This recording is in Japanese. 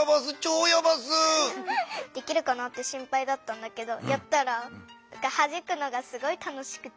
できるかなって心ぱいだったんだけどやったらはじくのが楽しくて。